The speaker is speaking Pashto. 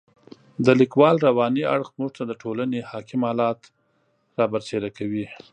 د لیکوال رواني اړخ موږ ته د ټولنې حاکم حالات را برسېره کوي.